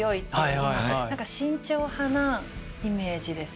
何か慎重派なイメージです。